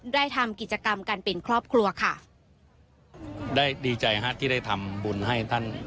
ได้ทำกิจกรรมการเป็นครอบครัวค่ะได้ดีใจฮะที่ได้ทำบุญให้ท่าน